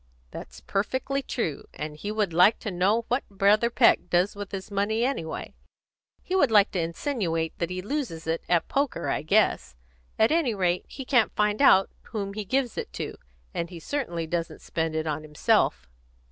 That's perfectly true. And he would like to know what Brother Peck does with his money, anyway. He would like to insinuate that he loses it at poker, I guess; at any rate, he can't find out whom he gives it to, and he certainly doesn't spend it on himself."